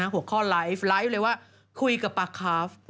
หัวข้อไลฟ์ไลฟ์เลยว่าคุยกับปลาคาฟ